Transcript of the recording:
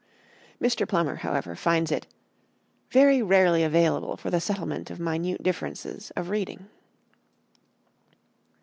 Mr. Plummer, however, finds it "very rarely available for the settlement of minute differences of reading."